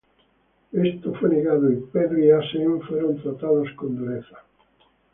Esto fue negado, y Pedro y Asen fueron tratados con dureza.